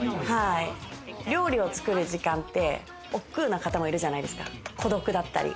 料理を作る時間っておっくうな方もいるじゃないですか、孤独だったり。